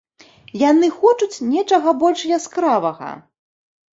Яны хочуць нечага больш яскравага.